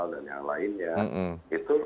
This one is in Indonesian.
dan yang lainnya itu